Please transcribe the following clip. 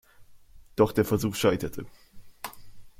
Doch der Versuch scheiterte.